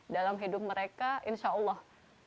dalam hidup mereka insya allah